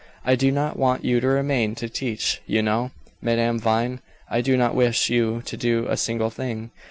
I do not want you to remain to teach, you know, Madame Vine; I do not wish you to do a single thing.